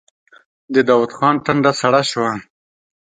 د داوود خان ټنډه سړه شوه.